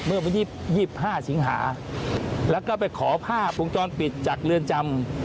เมื่อมันยิบห้าฉิงหาแล้วก็ไปขอผ้าปรุงจรปิดจากเรือนจำ